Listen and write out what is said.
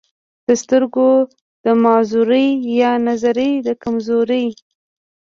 دَسترګو دَمعذورۍ يا دَنظر دَکمزورۍ